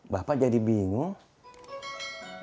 bapak jadi bingung